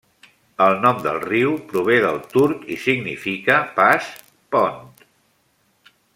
El nom del riu prové del turc i significa 'pas, pont'.